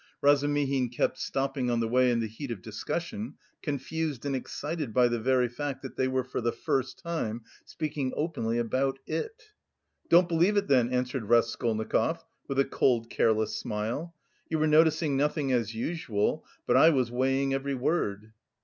Razumihin kept stopping on the way in the heat of discussion, confused and excited by the very fact that they were for the first time speaking openly about it. "Don't believe it, then!" answered Raskolnikov, with a cold, careless smile. "You were noticing nothing as usual, but I was weighing every word."